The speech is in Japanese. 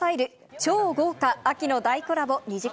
超豪華秋の大コラボ２時間